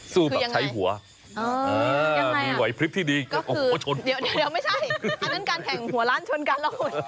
แบบใช้หัวมีไหวพลิบที่ดีก็คือเดี๋ยวไม่ใช่อันนั้นการแข่งหัวล้านชนกันแล้วคุณ